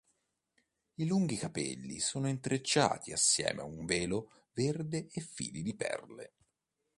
I lunghi capelli sono intrecciati assieme a un velo verde e fili di perle.